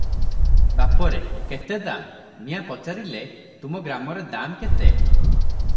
ବାପରେ! କେତେ ଦାମ!" ମିଆଁ ପଚାରିଲେ ତୁମ ଗ୍ରାମରେ ଦାମ କେତେ?